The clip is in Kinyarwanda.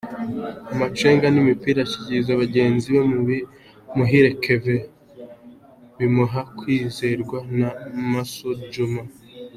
Amacenga n'imipira ashyikiriza bagenzi be, Muhire Kevin bimuha kwizerwa na Masud Djuma .